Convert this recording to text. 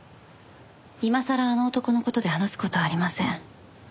今さらあの男の事で話す事はありません。